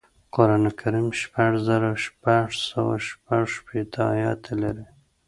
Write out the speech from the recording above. قران کریم شپږ زره شپږ سوه شپږشپېته ایاته دی